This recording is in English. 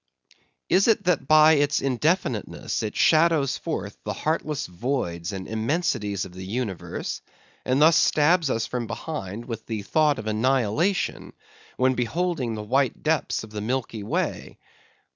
Is it that by its indefiniteness it shadows forth the heartless voids and immensities of the universe, and thus stabs us from behind with the thought of annihilation, when beholding the white depths of the milky way?